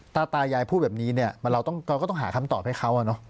ตาตายายพูดแบบนี้เนี้ยมันเราต้องก็ต้องหาคำตอบให้เขาอ่ะเนอะ